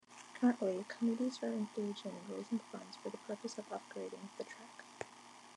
Currently, committees are engaging in raising funds for the purpose of upgrading the track.